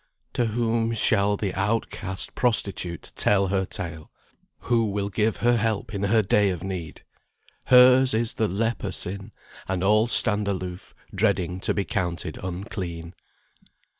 To whom shall the outcast prostitute tell her tale? Who will give her help in her day of need? Hers is the leper sin, and all stand aloof dreading to be counted unclean.